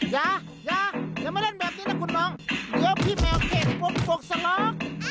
ยายาอย่ามาเล่นแบบนี้นะคุณน้องเดี๋ยวพี่แมวเข็นปมกสล็อก